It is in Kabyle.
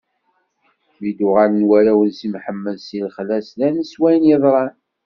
Mi d-uɣalen warraw n Si Mḥemmed si lexla, slan s wayen yeḍran.